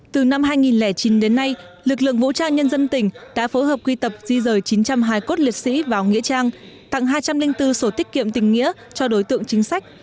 từ năm hai nghìn chín đến nay lực lượng vũ trang nhân dân tỉnh đã phối hợp quy tập di rời chín trăm linh hài cốt liệt sĩ vào nghĩa trang tặng hai trăm linh bốn sổ tiết kiệm tình nghĩa cho đối tượng chính sách